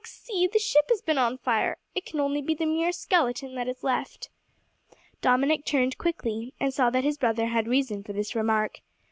see! the ship has been on fire! It can only be the mere skeleton that is left." Dominick turned quickly, and saw that his brother had reason for this remark.